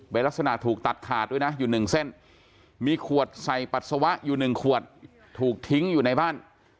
เป็นลักษณะถูกตัดขาดด้วยนะอยู่หนึ่งเส้นมีขวดใส่ปัสสาวะอยู่๑ขวดถูกทิ้งอยู่ในบ้าน